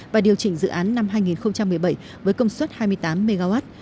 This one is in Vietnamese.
và điều chỉnh dự án năm hai nghìn một mươi bảy với công suất hai mươi tám mw